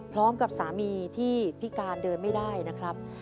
พร้อมกับสามีที่พี่การเดินไม่ได้นะครับ